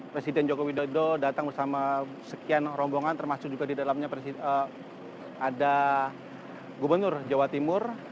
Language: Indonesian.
presiden joko widodo datang bersama sekian rombongan termasuk juga di dalamnya ada gubernur jawa timur